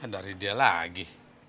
dari dia lagi